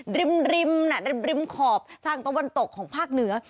ริมริมริมขอบทางตะวันตกของภาคเหนือ